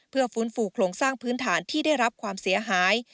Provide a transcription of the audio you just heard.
เพื่อฟื้นฟูโครงสร้างพื้นฐานที่ได้รับความเสียหาย